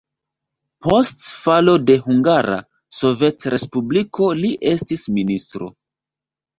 Post falo de Hungara Sovetrespubliko li estis ministro.